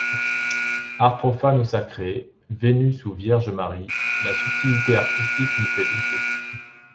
Art profane ou sacré, Vénus ou Vierge Marie, la subtilité artistique nous fait douter.